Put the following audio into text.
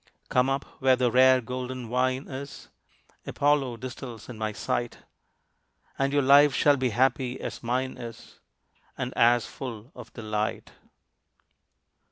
Come up where the rare golden wine is Apollo distills in my sight, And your life shall be happy as mine is, And as full of delight.